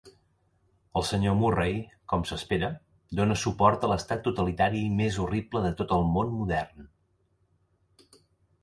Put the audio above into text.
El senyor Murray, com s'espera, dona suport a l'estat totalitari més horrible de tot el món modern.